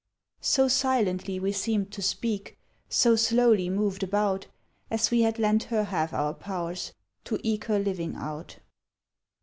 So silently we seemed to speak, So slowly moved about, As we had lent her half our powers To eke her living out.